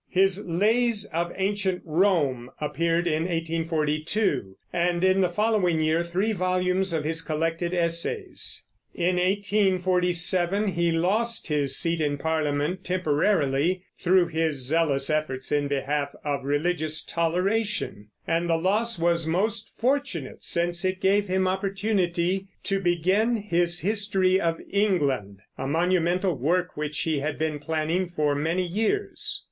His Lays of Ancient Rome appeared in 1842, and in the following year three volumes of his collected Essays. In 1847 he lost his seat in Parliament, temporarily, through his zealous efforts in behalf of religious toleration; and the loss was most fortunate, since it gave him opportunity to begin his History of England, a monumental work which he had been planning for many years.